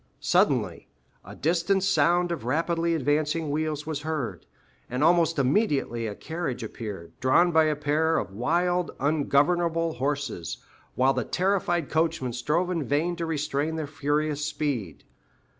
Suddenly a distant sound of rapidly advancing wheels was heard, and almost immediately a carriage appeared, drawn by a pair of wild, ungovernable horses, while the terrified coachman strove in vain to restrain their furious speed.